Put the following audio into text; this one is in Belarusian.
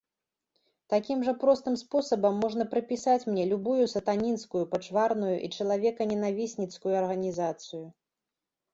Такім жа простым спосабам можна прыпісаць мне любую сатанінскую, пачварную і чалавеканенавісніцкую арганізацыю.